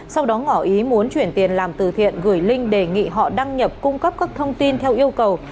sau đó ngỏ ý muốn chuyển tiền làm từ thiện gửi link đề nghị họ đăng nhập cung cấp các thông tin theo yêu cầu